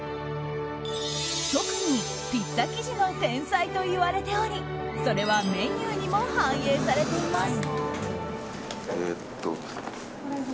特にピッツァ生地の天才といわれておりそれはメニューにも反映されています。